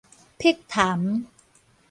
碧潭